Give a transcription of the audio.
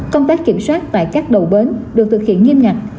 công tác kiểm soát tại các đầu bến được thực hiện nghiêm ngặt